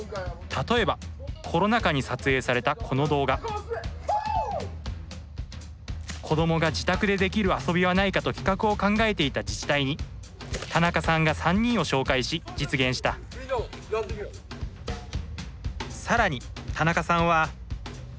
例えばコロナ禍に撮影されたこの動画子どもが自宅でできる遊びはないかと企画を考えていた自治体に田中さんが３人を紹介し実現した更に田中さんは。